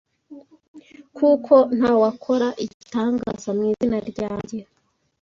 kuko nta wakora igitangaza mu izina ryanjye